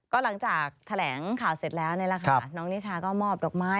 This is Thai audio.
ก็หลังจากแถลงข่าวเสร็จแล้วนี่แหละค่ะน้องนิชาก็มอบดอกไม้